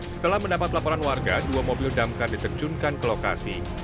setelah mendapat laporan warga dua mobil damkar diterjunkan ke lokasi